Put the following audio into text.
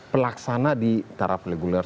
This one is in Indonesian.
pelaksana di taraf reguler